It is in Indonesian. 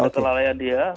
karena kelalaian dia